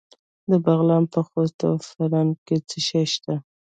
د بغلان په خوست او فرنګ کې څه شی شته؟